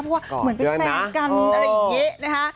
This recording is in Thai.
เพราะว่าเหมือนเป็นแฟนกันอะไรอย่างนี้นะคะ